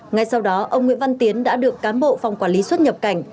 ngay sau đó ông nguyễn văn tiến đã được cán bộ phòng quản lý xuất nhập cảnh